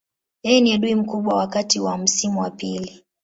Yeye ni adui mkubwa wakati wa msimu wa pili.